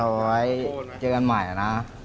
เอาไว้เจอกันใหม่นะ